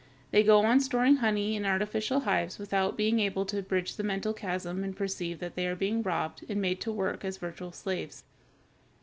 They go on storing honey in artificial hives without being able to bridge the mental chasm and perceive that they are being robbed and made to work as virtual slaves.